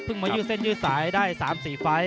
มายืดเส้นยืดสายได้๓๔ไฟล์